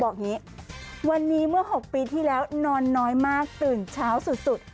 อย่างนี้วันนี้เมื่อ๖ปีที่แล้วนอนน้อยมากตื่นเช้าสุด